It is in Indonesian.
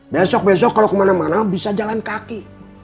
besok besok kalau kemana mana bisa jalan kaki